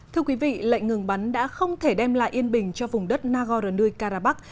thưa quý vị lệnh ngừng bắn đã không thể đem lại yên bình cho vùng đất nagorno karabakh